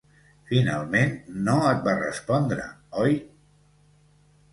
Finalment no et va respondre, oi?